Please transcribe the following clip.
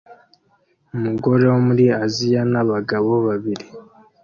Umugore wo muri Aziya nabagabo babiri